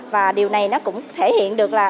và điều này nó cũng thể hiện được là